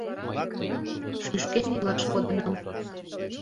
Шӱшкен илаш кодынам.